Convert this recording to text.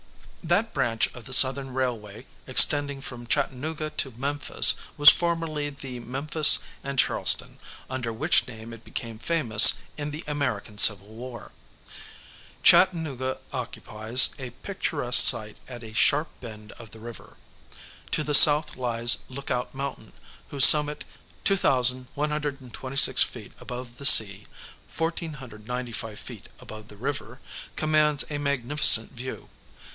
That branch of the Southern railway extending from Chattanooga to Memphis was formerly the Memphis & Charleston, under which name it became famous in the American Civil War. Chattanooga occupies a picturesque site at a sharp bend of the river. To the south lies Lookout Mountain, whose summit (2126 ft. above the sea; 1495 ft. above the river) commands a magnificent view.